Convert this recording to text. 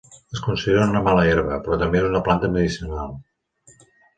Es considera una mala herba, però també és una planta medicinal.